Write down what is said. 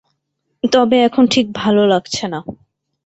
তবে এখন ঠিক ভালো লাগছে না।